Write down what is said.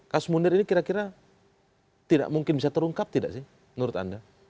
kasus munir ini kira kira tidak mungkin bisa terungkap tidak sih menurut anda